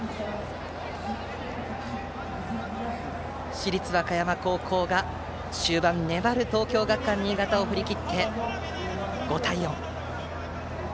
市立和歌山高校が、終盤粘る東京学館新潟を振り切って５対４。